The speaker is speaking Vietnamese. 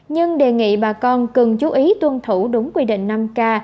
nhưng đề nghị bà con cần chú ý tuân thủ đúng quy định năm k